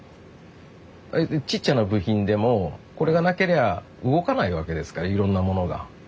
ちっちゃな部品でもこれがなけりゃ動かないわけですからいろんなものが。